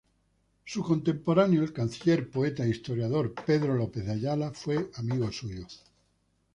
Su contemporáneo, el canciller, poeta e historiador Pero López de Ayala fue amigo suyo.